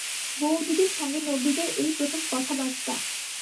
বউদিদির সঙ্গে নবীদের এই প্রথম কথাবার্তা।